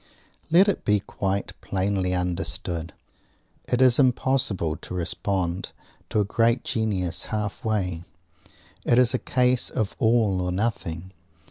Let it be quite plainly understood. It is impossible to respond to a great genius halfway. It is a case of all or nothing.